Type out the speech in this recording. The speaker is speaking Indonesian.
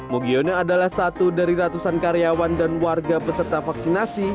mugiono adalah satu dari ratusan karyawan dan warga peserta vaksinasi